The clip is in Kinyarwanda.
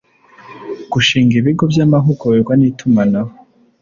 gushinga ibigo by amahugurwa n itumanaho